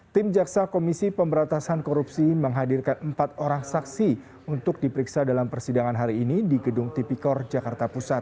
tim jaksa komisi pemberantasan korupsi menghadirkan empat orang saksi untuk diperiksa dalam persidangan hari ini di gedung tipikor jakarta pusat